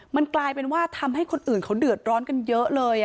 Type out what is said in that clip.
มันกลายเป็นว่าทำให้คนอื่นเขาเดือดร้อนกันเยอะเลย